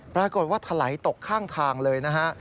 ปรากฏว่าถลายตกข้างทางเลยนะฮะ